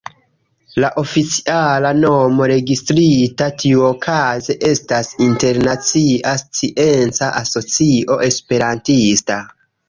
La oficiala nomo, registrita tiuokaze estas Internacia Scienca Asocio Esperantista.